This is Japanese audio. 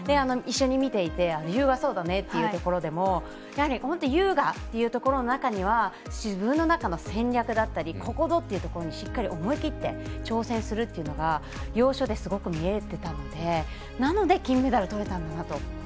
一緒に見ていて優雅そうだってところも優雅という中には自分の中の戦略だったりここぞというところでしっかり思い切って挑戦するというのが要所ですごく見えていたのでなので金メダルとれたんだなと。